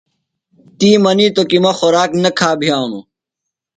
تی منیتوۡ کی مہ خوراک نہ کھا بِھیانوۡ۔